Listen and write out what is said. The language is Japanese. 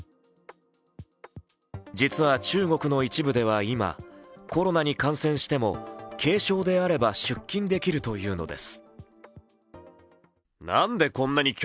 実は中国の一部では今、コロナに感染しても軽症であれば出勤できるというのです。